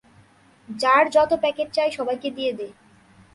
যার যত প্যাকেট চাই, সবাইকে দিয়ে দে।